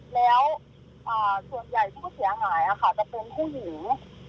แล้วส่วนใหญ่ผู้เสียหายจะเป็นผู้หญิง